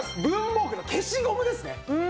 文房具の消しゴムですね。